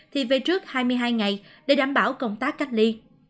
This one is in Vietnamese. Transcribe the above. thì về trước hai mươi hai ngày để đảm bảo công tác cách ly